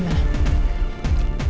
dan yang lebih anehnya lagi ya